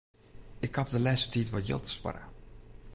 Ik haw de lêste tiid wat jild sparre.